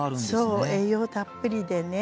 そう栄養たっぷりでね。